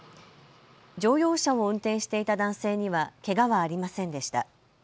乗用車を運転していた男性にはけがはありませんでした。